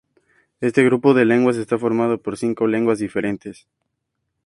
Este grupo de lenguas está formado por cinco lenguas diferentes.